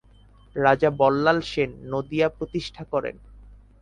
রাজা বল্লাল সেন নদিয়া প্রতিষ্ঠা করেন।